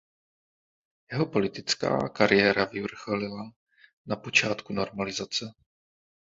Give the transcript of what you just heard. Jeho politická kariéra vyvrcholila na počátku normalizace.